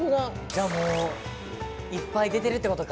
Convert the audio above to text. じゃあもういっぱい出てるって事か。